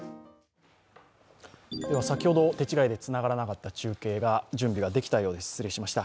先ほど、手違いでつながらなかった中継が準備ができたようです、失礼しました。